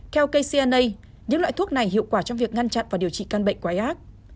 theo kcna những loại thuốc này hiệu quả trong việc ngăn chặn và điều trị căn bệnh quái ác